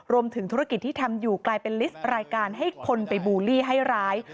รวมถึงธุรกิจที่ทำอยู่กลายเป็นลิสต์รายการให้คนไปบูลลี่ให้ร้าย